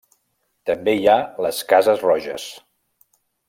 També hi ha les Cases Roges.